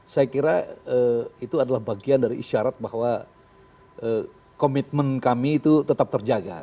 saya kira itu adalah bagian dari isyarat bahwa komitmen kami itu tetap terjaga